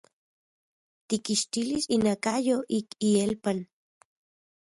Tikkixtilis inakayo ik ielpan.